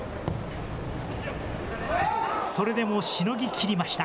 それでもしのぎきりました。